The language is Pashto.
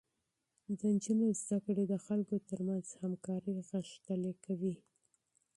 د نجونو تعليم د خلکو ترمنځ همکاري غښتلې کوي.